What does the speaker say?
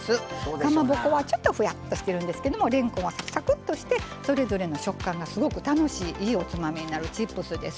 かまぼこはちょっとふやっとしてるんですけどもれんこんはサクサクッとしてそれぞれの食感がすごく楽しいいいおつまみになるチップスです。